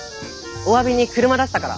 おわびに車出したから。